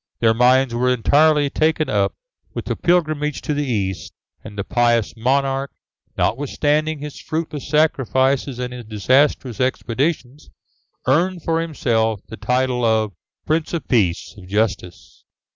Their minds were entirely taken up with the pilgrimages to the East, and the pious monarch, notwithstanding his fruitless sacrifices and his disastrous expeditions, earned for himself the title of Prince of Peace and of Justice.